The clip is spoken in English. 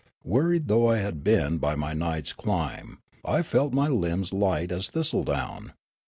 Wearied though I had been by my night's climb I felt my limbs light as thistledown.